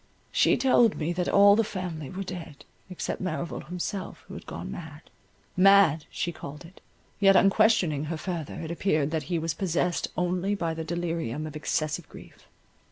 She told me that all the family were dead, except Merrival himself, who had gone mad— mad, she called it, yet on questioning her further, it appeared that he was possessed only by the delirium of excessive grief.